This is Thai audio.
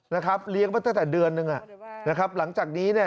นะครับเท่าที่เดือนหนึ่งน่ะหลังจากนี้น่ะ